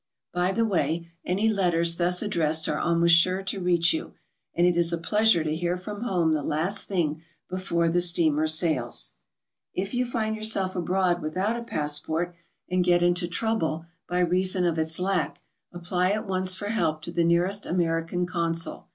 (By the way, any letters thus addressed are almost sure to reach you, and it is a pleasure to hear from home the last thing before the steamer sails.) If you find yourself abroad without a passport and get into trouble by reason of its lack, apply at once for help to the nearest American consul.